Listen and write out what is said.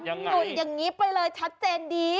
หยุดอย่างนี้ไปเลยชัดเจนดี